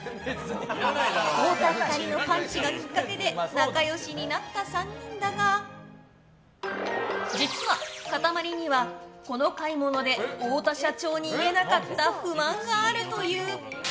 太田光のパンチがきっかけで仲良しになった３人だが実は、かたまりにはこの買い物で太田社長に言えなかった不満があるという。